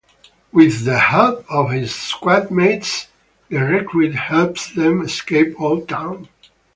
With the help of his squadmates, the recruit helps them escape Old Town.